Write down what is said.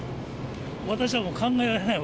私はもう考えられないわ。